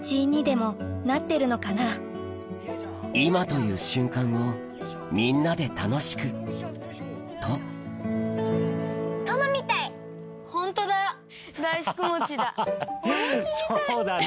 今という瞬間をみんなで楽しくと・ホントだ・・おもちみたい・・